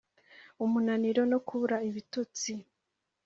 umunaniro no kubura ibitotsi